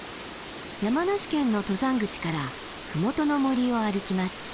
山梨県の登山口から麓の森を歩きます。